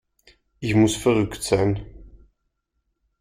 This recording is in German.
Ich muss verrückt sein.